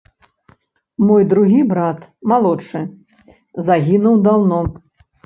Мой другі брат, малодшы, загінуў даўно.